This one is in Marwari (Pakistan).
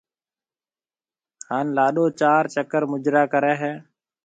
ھان لاڏو چار چڪر مُجرا ڪرَي ھيََََ